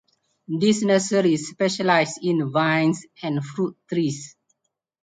This nursery specialised in vines and fruit trees.